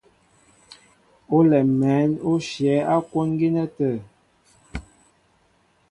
Olɛm mɛ̌n ó shyɛ̌ á kwón gínɛ́ tə̂.